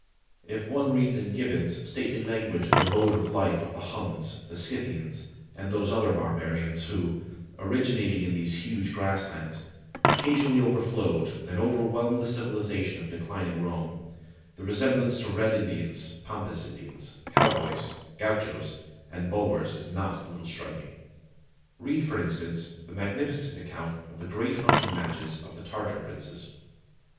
If one reads in Gibbon's stately language of the mode of life of the Huns, the Scythians, and those other barbarians who, originating in these huge grasslands, occasionally overflowed and overwhelmed the civilization of declining Rome, the resemblance to Red Indians, Pampas Indians, cowboys, gauchos, and Boers is not a little striking. Read, for instance, the magnificent account of the great hunting matches of the Tartar princes.